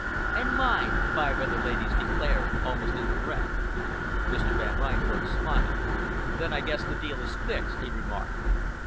"And mine!" five other ladies declared almost in a breath. Mr. Van Reinberg smiled. "Then I guess the deal is fixed," he remarked.